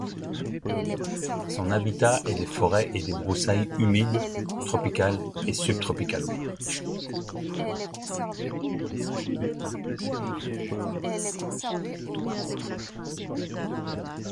Son habitat est les forêts et les broussailles humides tropicales et subtropicales.